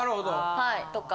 はいとか。